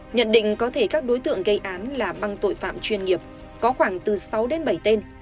nhận định có thể các đối tượng gây án là băng tội phạm chuyên nghiệp có khoảng từ sáu đến bảy tên